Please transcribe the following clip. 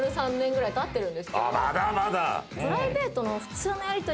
まだまだ。